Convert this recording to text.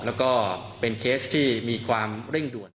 แล้วก็เป็นเคสที่มีความเร่งด่วน